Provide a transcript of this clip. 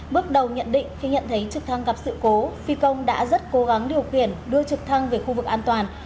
bước đầu nhận định khi nhận thấy trực thăng gặp sự cố phi công đã rất cố gắng điều khiển đưa trực thăng về khu vực an toàn